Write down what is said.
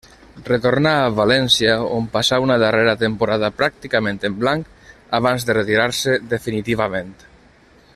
Retornà al València on passà una darrera temporada pràcticament en blanc, abans de retirar-se definitivament.